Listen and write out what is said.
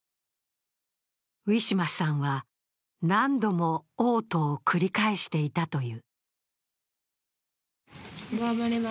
ウィシュマさんは何度もおう吐を繰り返していたという。